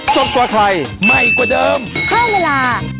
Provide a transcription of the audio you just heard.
สวัสดีค่ะ